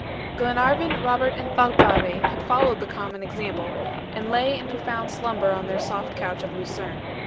Glenarvan, Robert, and Thalcave, had followed the common example, and lay in profound slumber on their soft couch of lucerne.